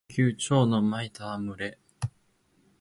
蟲の呼吸蝶ノ舞戯れ（ちょうのまいたわむれ）